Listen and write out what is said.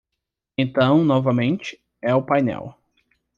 Então, novamente, é o painel